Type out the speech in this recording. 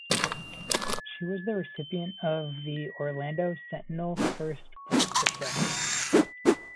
She was the recipient of the "Orlando Sentinel" first Pulitzer Prize.